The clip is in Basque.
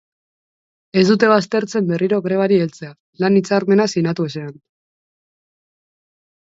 Ez dute baztertzen berriro grebari heltzea, lan-hitzarmena sinatu ezean.